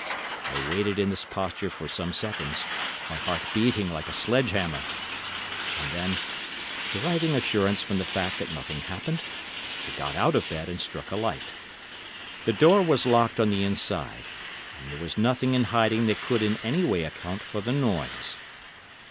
I waited in this posture for some seconds, my heart beating like a sledge hammer, and then, deriving assurance from the fact that nothing happened, I got out of bed and struck a light. The door was locked on the inside, and there was nothing in hiding that could in any way account for the noise.